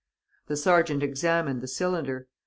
The sergeant examined the cylinder.